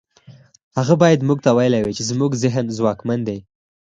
هغه بايد موږ ته ويلي وای چې زموږ ذهن ځواکمن دی.